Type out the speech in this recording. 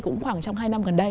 cũng khoảng trong hai năm gần đây